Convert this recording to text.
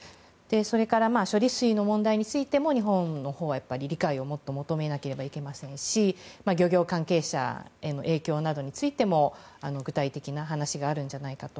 それから処理水の問題についても日本のほうは理解をもっと求めなければいけませんし漁業関係者への影響などについても具体的な話があるのではないかと。